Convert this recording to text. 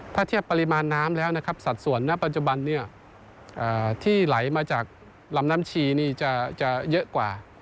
ถ้าเทียบปริมาณน้ำแล้วนะครับสัดส่วนณปัจจุบันนี้ที่ไหลมาจากลำน้ำชีนี่จะเยอะกว่า